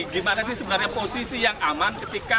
gimana sih sebenarnya posisi yang aman ketika